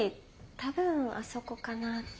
多分あそこかなって。